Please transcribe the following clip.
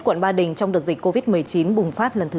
quận ba đình trong đợt dịch covid một mươi chín bùng phát lần thứ một